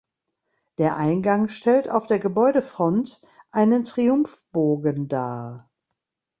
Der Eingang stellt auf der Gebäudefront einen Triumphbogen dar.